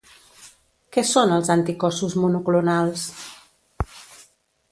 Què són els anticossos monoclonals?